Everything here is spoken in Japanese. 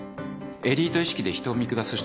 エリート意識で人を見下す人